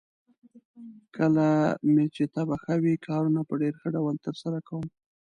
کله مې چې طبعه ښه وي، کارونه په ډېر ښه ډول ترسره کوم.